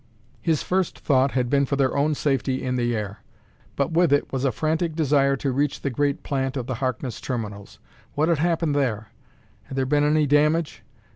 His first thought had been for their own safety in the air, but with it was a frantic desire to reach the great plant of the Harkness Terminals. What had happened there? Had there been any damage?